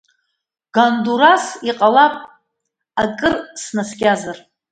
Гондурас, иҟалап акыр снаскьазар…